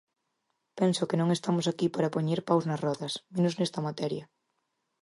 Penso que non estamos aquí para poñer paus nas rodas, menos nesta materia.